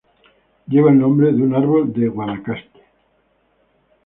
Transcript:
Lleva el nombre de un árbol de Guanacaste.